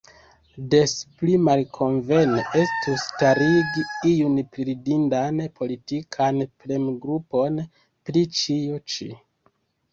Des pli malkonvene estus starigi iun priridindan politikan premgrupon pri ĉio ĉi.